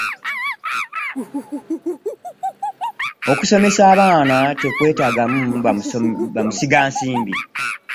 Okusomesa abaana tekwetaagamu bamusigansimbi.